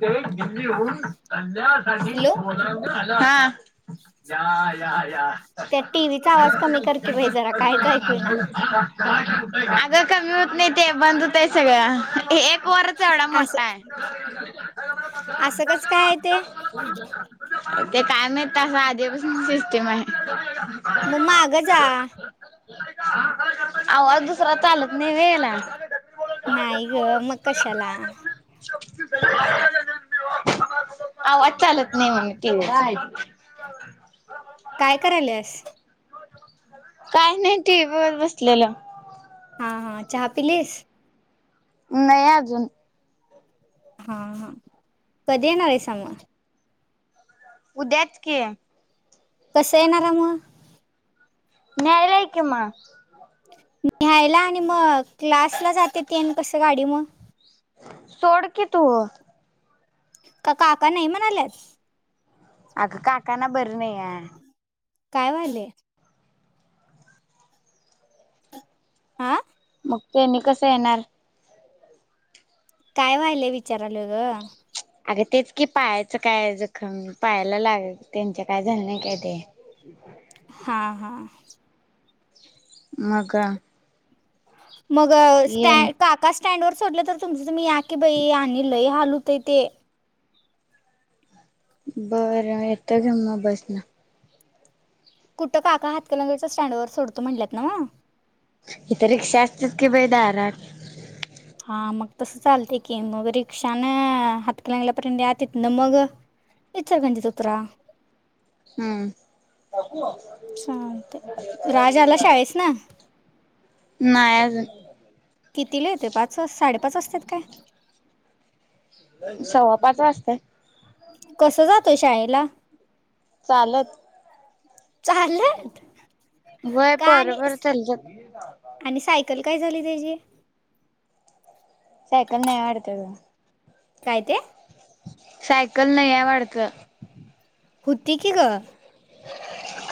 ते दिल्लीहून धंद्यासाठी हॅलो बोलाण्यात आलं या या या त्या टीव्हीचा आवाज कमी कर की बाई जरा कायच ऐकू ना अगं कमी होत नाही ते बंद होतय सगळं एक वरच एवढा मोठा असं आहे असं कसा काय आहे ते ते काय नाही आधीपासून सिस्टेम आहे मग माग जा आवज दुसऱ्यांचा चालत नाही हेला नाय ग मग कशाला आवाज चालत नाही [inaudible] काय कराल्यास काही नाही टीव्ही बघत बसलेलो हा हा चहा पिलीस नाही अजून हा हा कधी येणार आहेसा मग उद्याच की कसं येणारा मग न्यायला ये कि मग न्यायला आणि मग क्लासला जाते तेन कस गाडी मग सोड कि तू का काका नाही म्हणाल्यात अग काकांना बर नाही आहे काय व्हालय आ मग त्यांनी कसं येणार काय व्हालंय विचारालोय गं अगं तेच कि पायाच काय जखम पायाला लाग त्यांच्या काय झालं नाही काय ते हा हा मग मग येन स्टँ काका स्टँड वर सोडलं तर तुमचं तुम्ही या की बाई आणि लई हाल होतय ते बर येतो घे मग बसन कुठं काका हातकणंगलेच्या स्टँडवर सोडतो म्हणणल्यात न्हव इथ रिक्षा असतात की बाई दारात हा मग तसं चालतेय की मग रिक्षा न हातकणंगल्यापर्यंत या तिथन मग इचलकरंजीत उतरा हम्म चालतंय राज आला शाळेसन नाही अजून कितीला येतोय पाच वाज साडेपाच वाजतात काय सव्वा पाच वाजतात कसं जातोय शाळेला चालत चालत व्हय का पोर आणि पोर चालत जात्यात आणि सायकल काय झाली त्याची सायकल नाही वाढत गं काय ते सायकल नाहीया वाडत होती की गं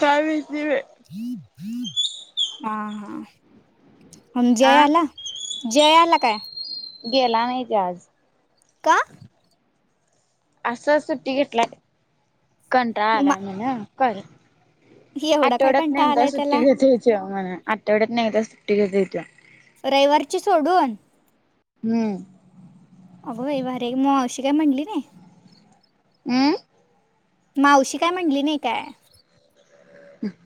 काय माहित नाही बाई हा हा हा मग जय आ आला जय आला काय गेला नाही तो आज का? असं सुट्टी घेतलाय कंटाळा आलाय मा- म्हण. कर एवढा काय आठवड्यातन कंटाळा एकदा आलाय त्याला सुट्टी घेतोय त्यो म्हण. आठवड्यातन एकदा सुट्टी घेतोय त्यो रविवारची सोडून. हम्म अग बाई भारी आहे की मग मावशी काय म्हणली नाही. हमं. मावशी काय म्हणली नाही काय?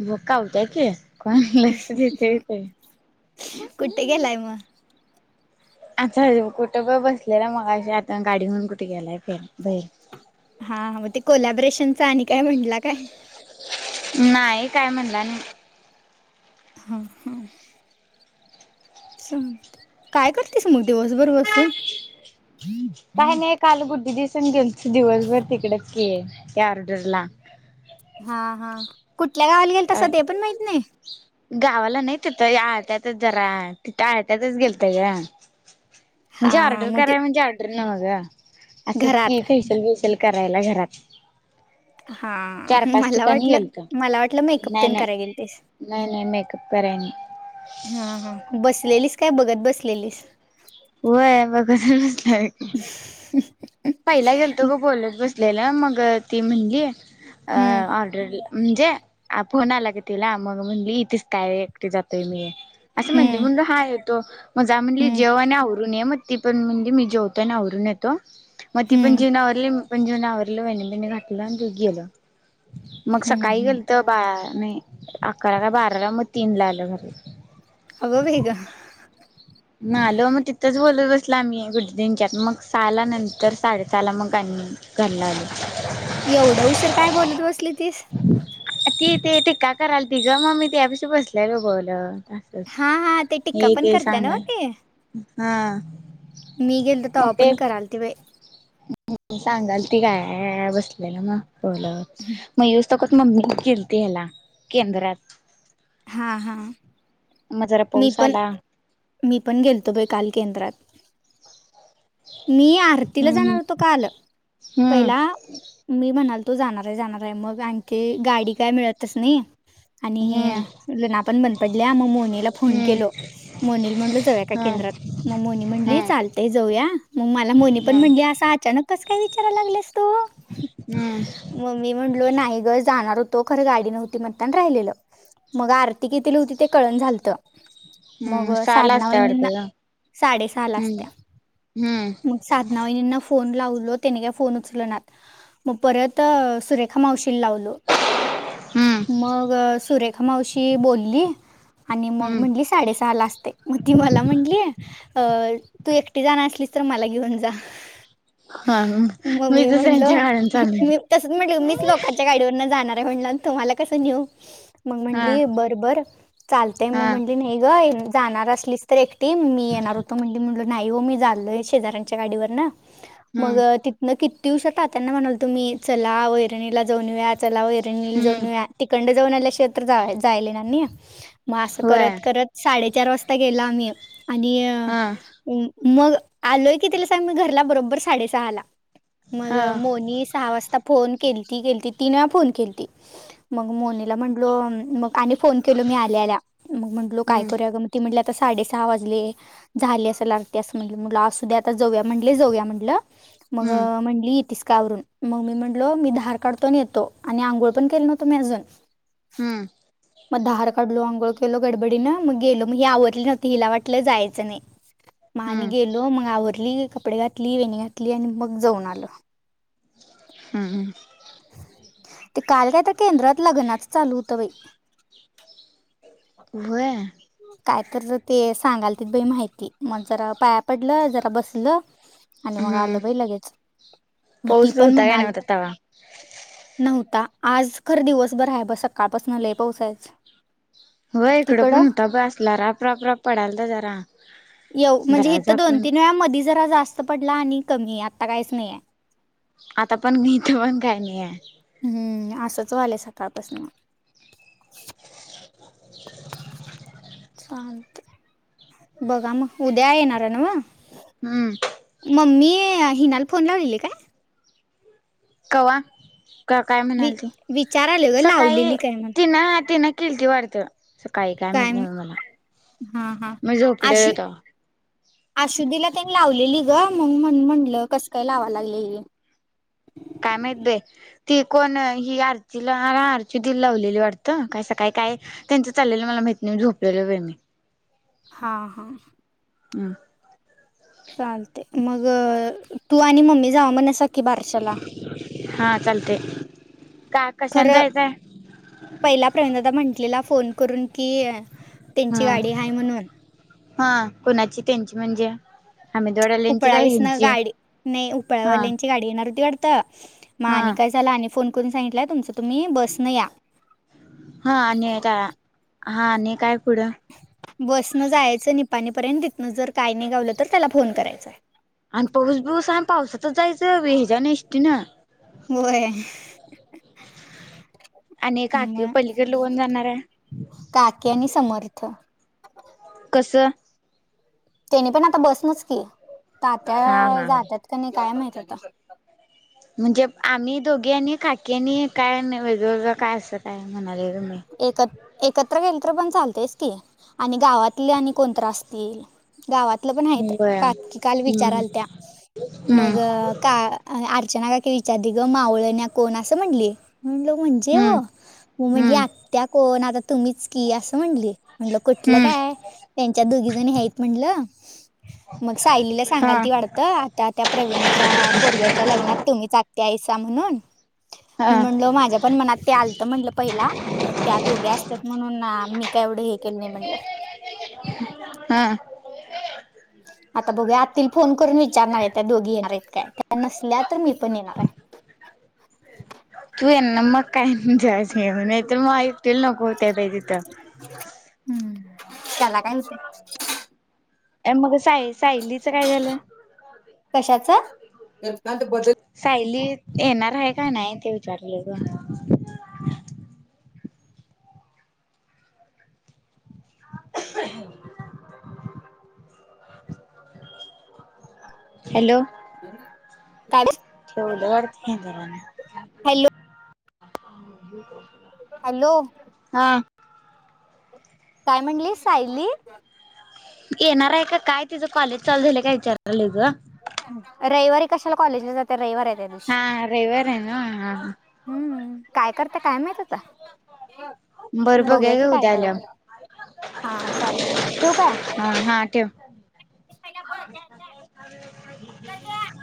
बकाव त्या्या क कोण लक्ष. कुठ गलाय म आच्छ कुठं प बसलेला मग अ आता गाडीहणून कुठे गेलाय फर बैर हा मग ते कोलॅबरेशनच आणि काय म्हटलं काय? नाही काय म्हणलं नाही. हां हां. च काय करतेस मग दिवसभर बसून काय नाही काल बुद्धी दिसन गेल दिवसभर तिकडच के या ऑर्डरला हा हा कुठल्या गावाला गेल तसं ते पण माहित नाही. गावाला नाही तथं आळत्यातच जरा तिथ आळत्यातच गेलत ग. हा म्हणजे हा ऑर्डर मग ते कराय म्हणजे ऑर्डर नघ अस की घरात फेशल बेशल करायला घरात हा चार पाच मला ठिकाणी वाटलं गेलतो मला वाट. नाही प्न नाही करायेल ते नाही नाही मेकअप कराय नाही ह हा. बसलेलीस काय बघत बसलेलीस. हो आहे मग कस? पहिला गेलतो ग बोलत बसलेला मग ती म्हणजे अ. हम्म म्हणजे फोन आला क तिला मग म्हण इथेच काय एकटे जातोय मी असं म्हणते हम्म म्हण हाय येतो मजा म्हणली हम्म जेव आणि ून मग ती पणणजे मी जेवताोय आणि आवरून येतो मग ती पण हम्म जेवनावरली पण जेवन आवरलं वन बणी घातलं आणि दोघी गेलं मग हम्म सकाळी हम्म गेल तर बा नाही अकरा का बाराला मग तीन ला आलं घरी अग बग नालो मग तिथंच बोलत बसला आम्ही गु दिंच्यात मग सा आला नंतर साडेस आला मग आणि कणारली एवढं उशर काय बोलत बसली तीस. ती ते तेका कराल ति ग मग मी त्यापेक्ष बसलाय लगवलं. असच हा हा ते टिक्का हे पण ते करत्या नव्ह सांगा ते हा. मी गेल तर ओपण कराल ते बाय. सांगाल ती काय बसलेला मग बोल मग तकत मम्मी खेलते ह्याला केंद्रात हा हा मग जरा मी पाऊस पण आला मी पण गेलतो बाई काल केंद्रात मी आरतीला जाणार हम्म होतो काल हम्म पहिला मी म्हणाल तो जाणार आहे जाणार आहे मग आणखी गाडी काय मिळतस नाही. हम्म आणि ल ना पण बंद पडल्या मग मोनीला फोन हम्म केलो. मोनील म्हटल जाऊया काय हम्म केंद्रात हम्म मग मोनी म्हणली हम्म चालतय जाऊया मग मला मोनी पण हम्म म्हणली. अस अचानक कस काय विचारय लाग असतो. हम्म. मम्मी म्हणलो नाही ग जाणार होतो खरं गाडी नव्हती मगताण राहिलेलं. मग आरती किथली होती ते कळण झालतं. मग हम्म सहाला साधना असते महिन वाटतं ग साडे सहा ला असत्या. हम्म हम्म साधना वाहिणींना फोन लावलो त्याने का फोन उचल ना मग परत सुरेखा मावशीला लावलो. हम्म मग सुरेखा मावशी बोलली आणि मग हम्म म्हटली साडेसहा ला असते. मग ती मला म्हटली, अ तू एकटी जाणार असलीस तर मला घेऊन जा. हा मी म्मी दुसऱ्यांच्या म्हटल गाड्यान चालले मी तसच म्हंटलं मीच लोकां गाडीवर जाणार आहे म्हण तुमला कसं नेऊ मग हा म्हंली बरं बर चालतय मग हा म्हंटली नाही ग जाणार असलीच तर एकटी मी येणार होतो,, म्हण, म्हटलो, नाही हो मी चालोय शेजऱ्यांच्या गाडीवर नं मग हम्म ति न किती दिवसात त्यांत्याना म्हणालतो तुम्ही चला वैरणीला जाऊन या्वया, चला वैरणीला जाऊन हम्म या्वया. तिखंड जाऊन आल्या क्षेत्र जायले एणार नाही, मग असं होय करत करत साडेचार वाजता गेला आम्ही, आणि हां मग, आलोय की ति ला सांग मी घरला,, बरोबर साडेसहा ला मग, हा मोनी सहा वाजता आता फोन केल ती, केलती, तिन वेळा फोन केलती, मग मोनीला म्हटलो मग आणि फोन केलो मी आल्याआल्या, मग म्हंटलो काय हम्म करूया गळ मग ती म्हटली आता साडे सहा वाजले. झाली असंल आरती, असं म्हणलं असूंदे जाऊया म्हटले जाऊया म्हटलं मग हम्म म्हणली इतीच काय आवरून, मग मी म्हटलो, मी धार काढतोन येतो, आणि आंघोळ पण केले नव्हतो मी अजून हम्म मग धार काढलो, आंोळ केलो, गडबडीनं मग गेलो, मग ही आवरली नव्हती, हिला वाटलं जायचं नाही. मा आणि हम्म गेलो, मग आवरली, कपडे घातली, वेणी घातली, आणि मग जाऊन आलो. हम् ह ते काल काय तर केंद्रात लग्नाच चालू होतं बाई. वय काय तर ते सांगाल तीत बई माहिती, मग जरा पाया पडलं, जरा बसलं आणि मग हम्म आलं भई लगेच, मग ती पाऊस होता पण काय म्हणाली नव्हता तवा नव्हता,, आज खरं दिवस बर आहे बग,, सकाळपासन लय पाऊस हाय आज. होय, इकडं पण होता बाई आसला, रापरापराप पडाला त जरा येऊ, म्हणजे इथ जरा दोन तीन वेळा मधी जरा जास्त पडला, आणि कमी, आता काहीच नाही आहे. आता पण घहीत पण काय नाही आहे. हम्म,, असंच वालंय सकाळपासन चालतय,, बघा मग, उद्या येणार ना वा हम्म मम्मी, हिनाला फोनला लावलेली काय कवा्हा,, का काय वि म्हणाल ती,, विचाराले ग सकाळी लावलेली काय म्हण तिन तिन किलती वाढत, काही काय माहत नाही म मला, हा हा मी आशु झोपलेलं तवा आशुदीला त्यांन लावलेली ग, मग म्हटलं कसं काय लावाव लागले ही काय माहीत बई. ती कोण ही, आरतीला, आरती दिला लावलेली वाटतं, कायसं काय काय त्यांचं चालेलं मला माहिती नाही, झोपलेलं व मी हा हा हं चाल मग,, तू आणि मम्मी जावा म्हणसा की बारशाला हा चालतय. का, कशाने खरं जायचंय पहिला प्रवीणदादा म्हटलेला फोन करून की, त्यांची हा गाडी आहे म्हणून हा, कुणाची त्यांची म्हणजे? आम्ही देवड्याले उपळावीस ना गाडी, नाही हा उपळावाल्यांची गाडी येणार होती वाडत, म हा आणि काय झाल आणि फोन करून सांगितलंय तुमचं तुम्ही बसन या. हा आणि काय हा आणि काय पुढं? बसनं जायचं निपाणीपर्यंत तिथनं जर काय नाही गावलं तर त्याला फोन करायचाय. आणि पाऊस बीऊस आणि पावसातनच जायचं ह्याचान एसाटिन. होय, आणि काकी म. पलीकडलं कोण जाणार आहे काकी आणि समर्थ. कसं? त्यानी पण आता बसनचकी हा तात्या हा जातात का नाही काय माहित आता. म्हणजे आम्ही दोघी आणि काकी आणि काय वेगवेगळ काय असं काय म्हणाले तुम्ही. एकत, एकत्र गेल तर पण चालतेच की आणि गावातले आणि कोणतर असतील. गावातलं पण आहेत होय काकी काल हम्म विचाराल त्या हम्म मग का अर्चना काकी विचार ती ग मावळ न कोण असं म्हणली म्हण जेव हम्म म म्हणली हम्म आत्या कोण आता तुम्हीच की असं म्हटली. म्हंटलं कुठलं हम्म काय त्यांच्या दोघी जण हत म्हंटल मग सायलीला हा सगाल ती वाटत आता त्या प्रवीणच्या पोरग्याच्या लग्नात तुम्हीच आत्या आयसा म्हणून. मी हा म्हणल माझ्या पण मनात ते आलत म्हटलं पहिला. खरं त्या दोघी असतात म्हणून मी काय एवढं हे केलं नाही म्हटलं. हा.. आता बघुया आतील फोन करून विचारणार आहे त्या दोघी येणार आहेत काय त्या नसल्या तर मी पण येणार आहे. तू आहेना मग काय जायच नाहीत मग ऐकतील नको होतय मग तिथं. हम्म, त्याला काय म्ह मग सा सायलीचं काय झालं? कशाचा? सायली येणार आहे का नाही ते विचारले ग. [inaudible] हॅलो. कालच. ठेवले वाडत नाही जरा. Hello hello. हा. काय म्हणली सायली? येणार आहे का काय तिचं कॉलेज चालू झालंय काय विचार राहिली ग. रविवारी कशाला कॉलेजला जाते रविवारी हा रविवारे हायना हा. हम्म काय करते काय माहित आता? बरं बघूया घे बघुयाकी काय, उद्या काय होते आल्यावर चालते. ठिव काय? हा, हा, ठेव. का ब [unintelligible]